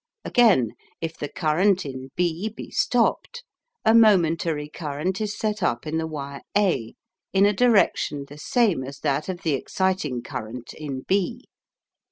Again, if the current in B be STOPEED, a momentary current is set up in the wire A in a direction the same as that of the exciting current in B.